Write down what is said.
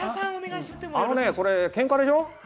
あのね、これケンカでしょ。